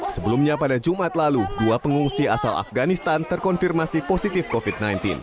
sebelumnya pada jumat lalu dua pengungsi asal afganistan terkonfirmasi positif covid sembilan belas